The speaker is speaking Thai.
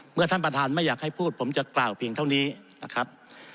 เมื่อท่านประธานไม่อยากให้พูดผมจะกล่าวเพียงเท่านี้นะครับ